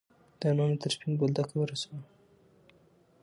ځانونه تر سپین بولدکه ورسوه.